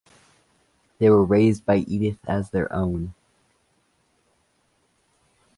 They were raised by Edith as her own.